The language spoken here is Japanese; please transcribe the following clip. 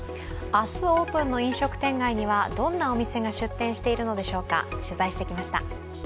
明日オープンの飲食店街にはどんなお店が出店しているのでしょうか。